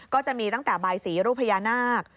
ก็จะมีตั้งแต่บายสีรูปพญานาค